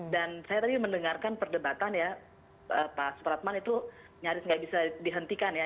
dan saya tadi mendengarkan perdebatan ya pak supratman itu nyaris nggak bisa dihentikan ya